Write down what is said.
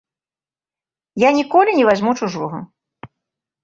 Я ніколі не вазьму чужога!